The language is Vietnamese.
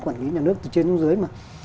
quản lý nhà nước từ trên xuống dưới mà